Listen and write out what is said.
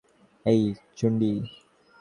এই, চুন্ডি।